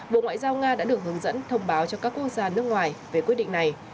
bộ ngoại giao nga đã được hướng dẫn thông báo cho các quốc gia nước ngoài về quyết định này